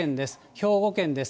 兵庫県です。